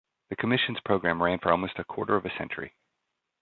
The commission's program ran for almost a quarter of a century.